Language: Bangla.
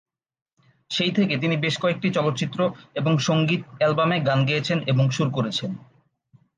সেই থেকে তিনি বেশ কয়েকটি চলচ্চিত্র এবং সংগীত অ্যালবামে গান গেয়েছেন এবং সুর করেছেন।